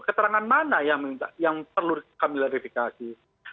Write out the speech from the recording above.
keterangan mana yang perlu dikamilifikasi